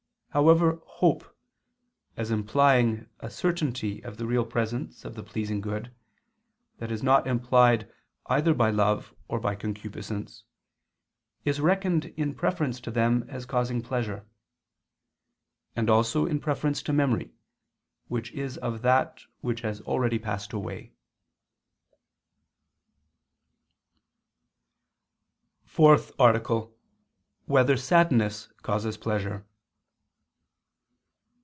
However hope, as implying a certainty of the real presence of the pleasing good, that is not implied either by love or by concupiscence, is reckoned in preference to them as causing pleasure; and also in preference to memory, which is of that which has already passed away. ________________________ FOURTH ARTICLE [I II, Q. 32, Art. 4] Whether sadness causes pleasure?